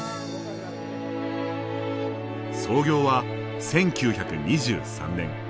創業は１９２３年。